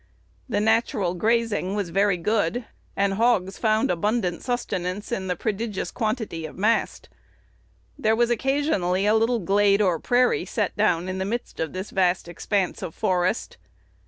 The natural grazing was very good, and hogs found abundant sustenance in the prodigious quantity of mast. There was occasionally a little glade or prairie set down in the midst of this vast expanse of forest.